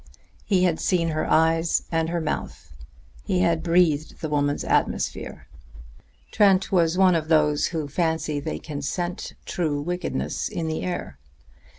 He had seen her eyes and her mouth; he had breathed the woman's atmosphere. Trent was one of those who fancy they can scent true wickedness in the air.